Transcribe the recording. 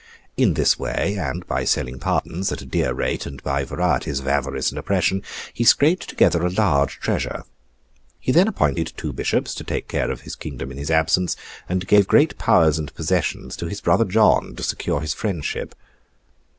In this way, and by selling pardons at a dear rate and by varieties of avarice and oppression, he scraped together a large treasure. He then appointed two Bishops to take care of his kingdom in his absence, and gave great powers and possessions to his brother John, to secure his friendship.